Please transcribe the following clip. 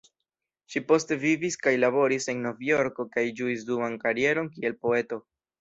Ŝi poste vivis kaj laboris en Novjorko kaj ĝuis duan karieron kiel poeto.